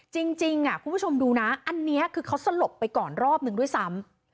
จริงคุณผู้ชมดูนะอันนี้คือเขาสลบไปก่อนรอบนึงด้วยซ้ำ